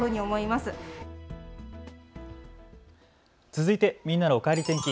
続いてみんなのおかえり天気。